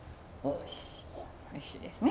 おいしいですね。